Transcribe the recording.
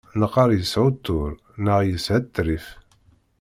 Neqqar yeshuttur neɣ yeshetrif.